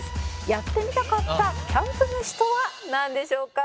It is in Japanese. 「やってみたかったキャンプ飯とはなんでしょうか？」